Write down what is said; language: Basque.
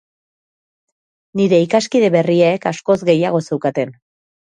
Nire ikaskide berriek askoz gehiago zeukaten.